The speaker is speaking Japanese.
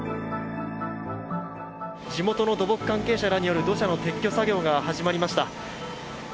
地元の土木関係者らによる土砂の撤去作業が始まりました。